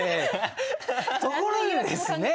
ところでですね